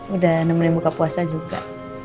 udah nemuin buka puasa juga